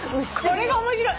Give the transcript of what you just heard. これが面白い。